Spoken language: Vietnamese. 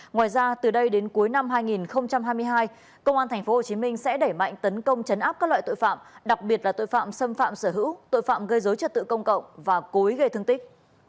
ngoài ra từ đây đến cuối năm hai nghìn hai mươi hai công an tp hcm sẽ đẩy mạnh tấn công chấn áp các loại tội phạm đặc biệt là tội phạm xâm phạm sở hữu tội phạm gây dối trật tự công cộng và cố ý gây thương tích